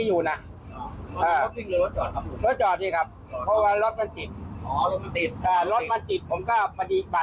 ลุงล้มตกรถไปแล้วเขาก็ได้กุญแจแล้วเขาก็เสียบ